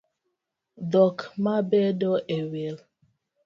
Dhok ma bedo e wiI